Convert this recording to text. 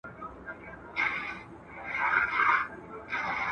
شاګرد وویل چي له نورو څېړونکو سره به همکاري وکړي.